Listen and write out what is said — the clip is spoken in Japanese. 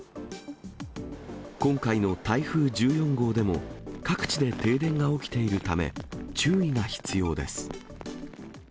今回の台風１４号でも、各地で停電が起きているため、注意が必要です。